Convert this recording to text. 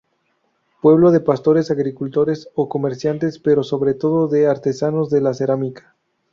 Pueblo de pastores, agricultores o comerciantes, pero sobre todo de artesanos de la cerámica.